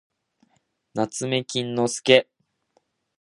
なつめきんのすけ